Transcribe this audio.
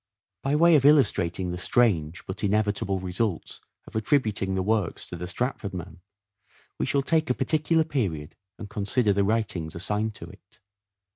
By way of illustrating the strange but inevitable results of attributing the works to the Stratford man, we shall take a particular period and consider the writings assigned to it.